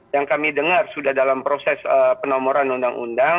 yang kami dengar sudah dalam proses penomoran undang undang